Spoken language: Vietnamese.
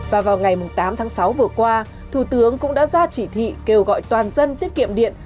và vào ngày tám tháng sáu vừa qua thủ tướng cũng đã ra chỉ thị kêu gọi toàn dân tiết kiệm điện